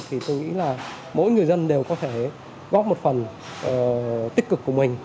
thì tôi nghĩ là mỗi người dân đều có thể góp một phần tích cực của mình